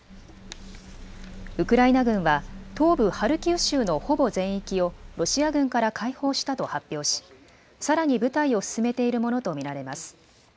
ウクライナ軍は東部ハルキウ州のほぼ全域をロシア軍から解放したと発表し、さらに部隊を進めているものと見られます。